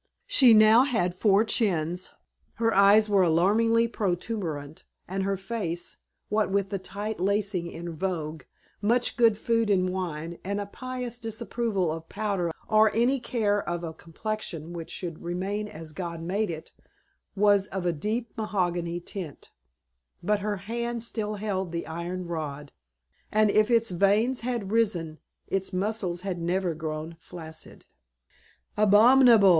She now had four chins, her eyes were alarmingly protuberant, and her face, what with the tight lacing in vogue, much good food and wine, and a pious disapproval of powder or any care of a complexion which should remain as God made it, was of a deep mahogany tint; but her hand still held the iron rod, and if its veins had risen its muscles had never grown flaccid. "Abominable!"